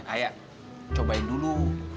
aya cobain dulu